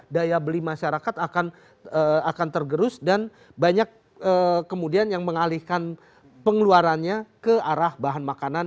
daya beli masyarakat akan tergerus dan banyak kemudian yang mengalihkan pengeluarannya ke arah bahan makanan